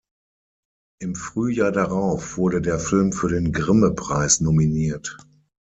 Im Frühjahr darauf wurde der Film für den Grimme-Preis nominiert.